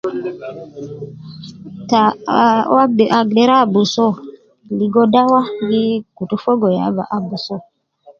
Taa aa agder abusu uwo ligo dawa kutu Fogo ya bi abusu uwo